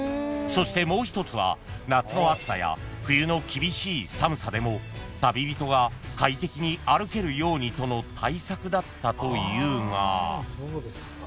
［そしてもう一つは夏の暑さや冬の厳しい寒さでも旅人が快適に歩けるようにとの対策だったというが］